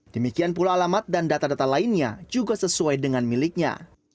demikian pula alamat dan data data lainnya juga sesuai dengan miliknya